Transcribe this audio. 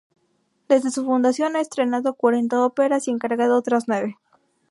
Desde su fundación ha estrenado cuarenta óperas y encargado otras nueve.